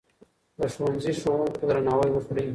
د ښوونځي ښوونکو ته درناوی وکړئ.